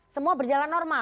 semua berjalan normal